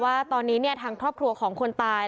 ว่าตอนนี้ทางครอบครัวของคนตาย